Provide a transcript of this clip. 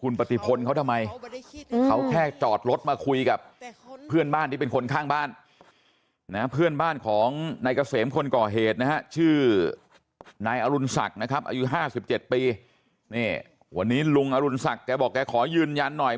นายอรุณศักดิ์นะครับอายุห้าสิบเจ็ดปีเนี่ยวันนี้ลุงอรุณศักดิ์แกบอกแกขอยืนยันหน่อย